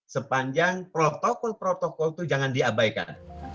sepanjang protokol protokol itu jangan diabaikan